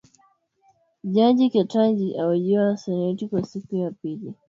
Jaji Ketanji ahojiwa na seneti kwa siku ya pili.